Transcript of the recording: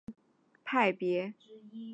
李家道是三国时期兴起的一个道教派别。